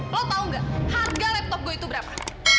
lo tahu nggak harga laptop gue itu berapa